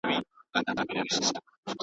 سمدستي سوله مېړه ته لاس ترغاړه .